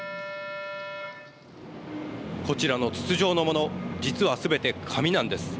こちらの筒状のもの、実はすべて紙なんです。